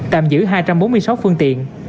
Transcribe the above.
tạm giữ hai trăm bốn mươi sáu phương tiện